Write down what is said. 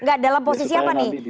nggak dalam posisi apa nih